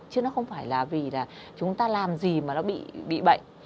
chứ nó không phải là vì là chúng ta làm gì mà nó bị bệnh